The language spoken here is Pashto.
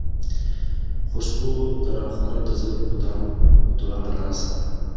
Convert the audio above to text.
خوشبو که راخوره د زلفو دام پۀ دواړه لاسه